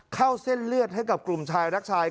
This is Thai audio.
เข้าเส้นเลือดให้กับกลุ่มชายรักชาย